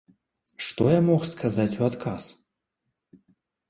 Што я мог сказаць у адказ?